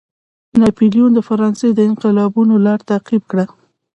ناپلیون د فرانسې د انقلابینو لار تعقیب کړه.